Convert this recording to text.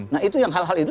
nah itu yang hal hal itu